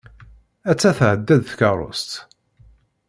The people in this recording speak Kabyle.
Atta tεedda-d tkeṛṛust.